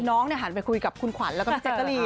น้องเรือหายไปคุยกับคุณขวัญและแจ็กเกลียบ